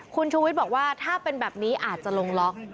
คุณชูวิทย์วิเคราะห์บอกว่าถ้าเป็นแบบนี้อาจจะลงล็อค